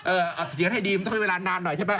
เอ่อเขียนให้ดีต้องมีเวลานานหน่อยใช่ไหม